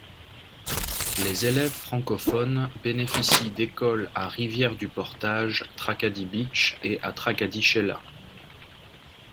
Les élèves francophones bénéficient d'écoles à Rivière-du-Portage–Tracadie Beach et à Tracadie-Sheila.